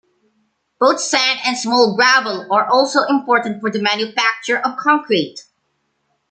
Both sand and small gravel are also important for the manufacture of concrete.